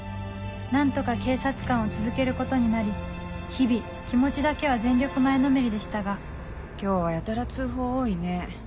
何とか警察官を続けることになり日々気持ちだけは全力前のめりでしたが今日はやたら通報多いね。